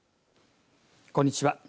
こんにちは。